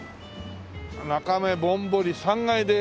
「ナカメぼんぼり３階で」